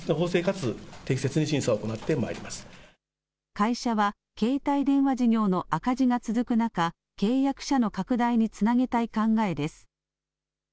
会社は、携帯電話事業の赤字が続く中、契約者の拡大につなげたい考えです。